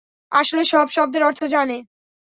আসলে সব শব্দের অর্থ জানে।